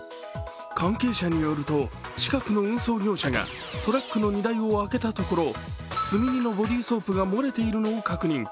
関係者によると、近くの運送業者がトラックの荷台を開けたところ、積み荷のボディーソープが漏れているのを確認。